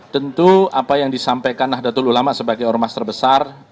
tentu apa yang disampaikan nahdlatul ulama sebagai ormas terbesar